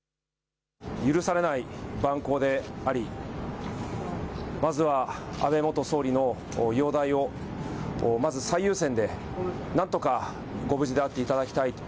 許されない蛮行でありまずは安倍元総理の容体をまず最優先でなんとかご無事であっていただきたいと。